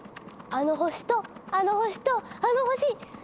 あの星とあの星とあの星！